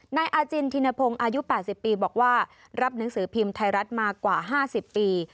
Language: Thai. นายอาจินธินพงศ์อายุ๘๐ปีบอกว่ารับหนังสือพิมพ์ไทยรัฐมากว่า๕๐ปี